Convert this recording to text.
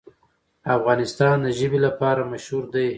افغانستان د ژبې لپاره مشهور دی.